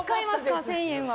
１０００円は。